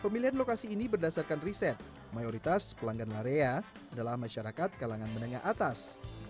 pemilihan lokasi ini berdasarkan riset mayoritas pelanggan larea adalah masyarakat kalangan menengah atas